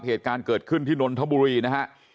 เหตุการณ์เกิดขึ้นที่นนทบุรีนะฮะ